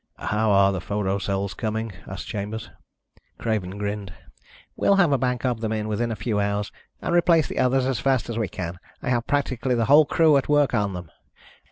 "How are the photo cells coming?" asked Chambers. Craven grinned. "We'll have a bank of them in within a few hours, and replace the others as fast as we can. I have practically the whole crew at work on them.